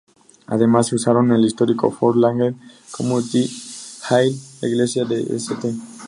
Además se usaron el histórico "Fort Langley Community Hall", la iglesia de "St.